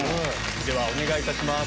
ではお願いいたします。